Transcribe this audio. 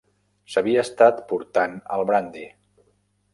S'havia estat portant el brandi.